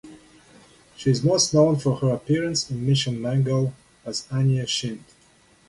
She is most known for her appearance in "Mission Mangal" as Anya Shinde.